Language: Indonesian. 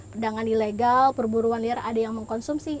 perdagangan ilegal perburuan liar ada yang mengkonsumsi